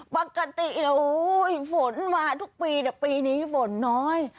ปกติฝนมาทุกปีแต่ปีนี้ฝนน้อย